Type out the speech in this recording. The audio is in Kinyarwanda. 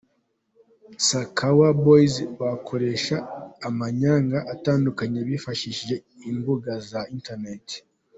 Sakawa Boys bakoresha amanyanga atandukanye bifashishije imbuga za Internet.